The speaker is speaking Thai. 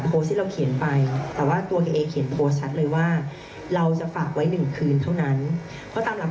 ก็ได้รับการแจ้งเยอะมาก